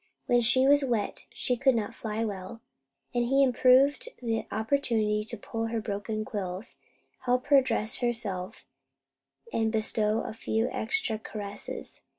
When she was wet she could not fly well, and he improved the opportunity to pull her broken quills, help her dress herself, and bestow a few extra caresses.